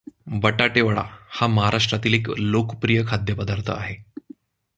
बटाटेवडा हा महाराष्ट्रातील एक लोकप्रिय खाद्यपदार्थ आहे.